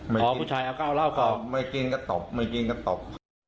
ไม่กินก็ตบไม่กินก็ตบ